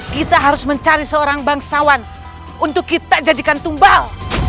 kita harus mencari seorang bangsawan untuk kita jadikan tumbal